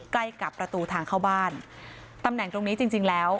ใกล้กับประตูทางเข้าบ้านตำแหน่งตรงนี้จริงจริงแล้ว